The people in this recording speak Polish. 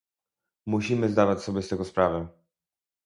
musimy zdawać sobie z tego sprawę